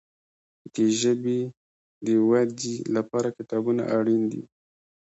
د ژبي د ودي لپاره کتابونه اړین دي.